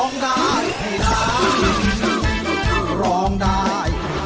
คือร้องได้ให้ร้อง